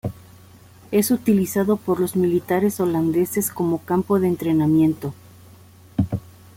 Es utilizado por los militares holandeses como campo de entrenamiento.